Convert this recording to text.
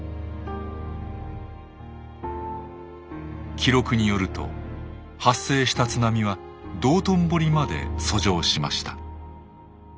記録によると発生した津波は道頓堀まで遡上しました。